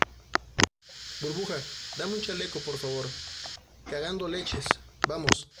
burbuja, dame un chaleco , por favor. cagando leches , vamos .